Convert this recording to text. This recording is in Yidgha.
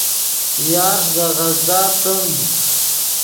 یارݰ دے غزدا تند